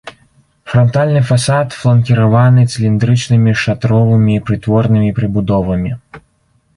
Франтальны фасад фланкіраваны цыліндрычнымі шатровымі прытворнымі прыбудовамі.